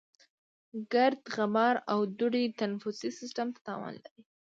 ګرد، غبار او دوړې تنفسي سیستم ته تاوان لري.